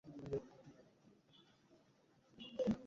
এভাবেই কি মরবি না-কি তোরা?